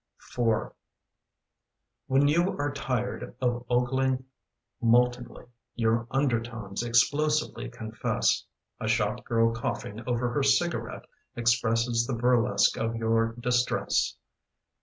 w IV HEN you are tired of ogling moltenly, Your undertones explosively confess. A shop girl coughing over her cigarette Expresses the burlesque of your distress.